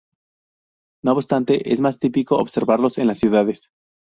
No obstante, es más típico observarlos en las ciudades.